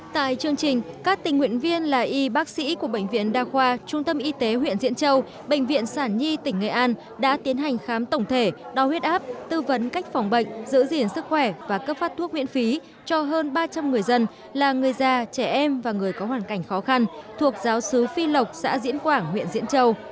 tại chương trình các tình nguyện viên là y bác sĩ của bệnh viện đa khoa trung tâm y tế huyện diễn châu bệnh viện sản nhi tỉnh nghệ an đã tiến hành khám tổng thể đo huyết áp tư vấn cách phòng bệnh giữ gìn sức khỏe và cấp phát thuốc miễn phí cho hơn ba trăm linh người dân là người già trẻ em và người có hoàn cảnh khó khăn thuộc giáo sứ phi lộc xã diễn quảng huyện diễn châu